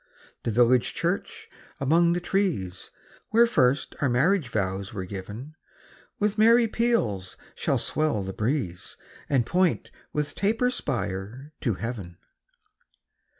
The village church, among the trees, Where first our marriage vows were giv'n, With merry peals shall swell the breeze, And point with taper spire to heav'n.